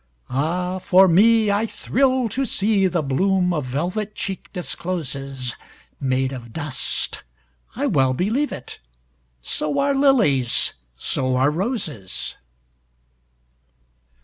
Ah, for me, I thrill to seeThe bloom a velvet cheek discloses, Made of dust—I well believe it! So are lilies, so are roses!